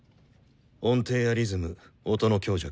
音程やリズム音の強弱